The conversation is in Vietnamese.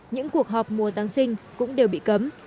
những cuộc họp mùa giáng sinh cũng đều bị cấm